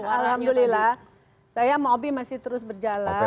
alhamdulillah saya sama obi masih terus berjalan